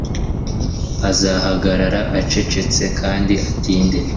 Azahagarara acecetse kandi atinde